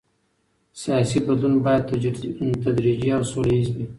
سیاسي بدلون باید تدریجي او سوله ییز وي